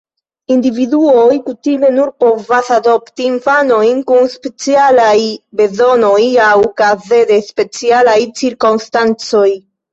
Individuoj kutime nur povas adopti infanojn kun specialaj bezonoj aŭ kaze de specialaj cirkonstancoj.